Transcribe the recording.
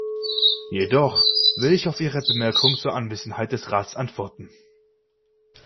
Jedoch will ich auf Ihre Bemerkung zur Anwesenheit des Rats antworten.